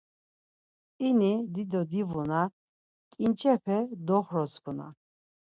İni dido divuna ǩinçepe doxrotskunan.